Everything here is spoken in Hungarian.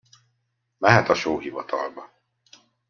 Mehet a sóhivatalba.